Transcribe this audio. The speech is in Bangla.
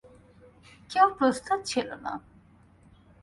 কেউ প্রস্তুত ছিল না।